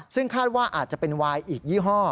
ซึ่งคาดว่าอาจจะเป็นวายอีกยี่ห้อ